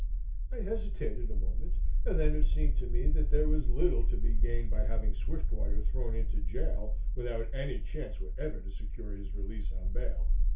I hesitated a moment and then it seemed to me that there was little to be gained by having Swiftwater thrown into jail without any chance whatever to secure his release on bail.